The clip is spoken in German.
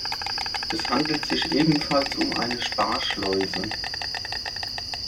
Es handelt sich ebenfalls um eine Sparschleuse.